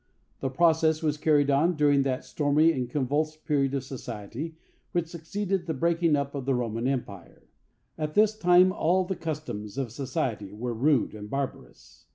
The process was carried on during that stormy and convulsed period of society which succeeded the breaking up of the Roman empire. At this time, all the customs of society were rude and barbarous.